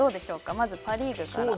まずパ・リーグから。